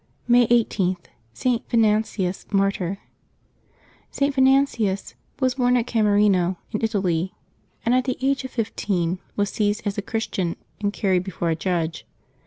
May i8.— ST. VENANTIUS, Martyr. @T. Venantius was born at Camerino in Italy, and at the age of fifteen was seized as a Christian and carried before a judge.